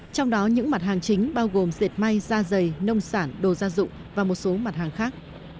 trong đó những mặt hàng chính bao gồm diệt may da dày nông sản đồ gia dụng và một số mặt hàng khác